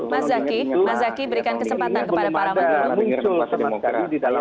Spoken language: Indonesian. mas zaky berikan kesempatan kepada paramat dulu